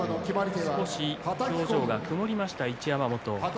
少し曇りました、一山本。